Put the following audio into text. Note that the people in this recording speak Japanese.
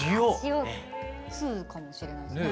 通かもしれないですね。